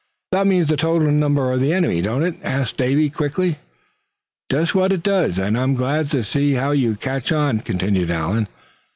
"That means the total number of the enemy, don't it?" asked Davy, quickly. "Just what it does, and I'm glad to see how you catch on," continued Allan.